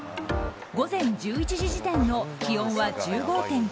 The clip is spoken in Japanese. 午前１１時時点の気温は１５．９度。